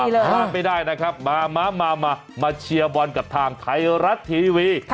พลาดไม่ได้นะครับมามาเชียร์บอลกับทางไทยรัฐทีวี